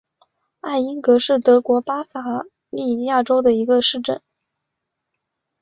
艾因格是德国巴伐利亚州的一个市镇。